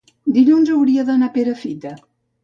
dilluns hauria d'anar a Perafita.